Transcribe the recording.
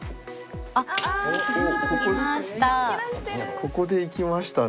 ここでいきましたね。